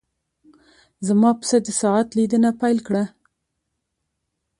زما پسه د ساعت لیدنه پیل کړه.